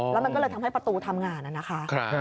แล้วมันก็เลยทำให้ประตูทำงานนะคะ